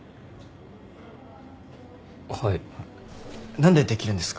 何でできるんですか？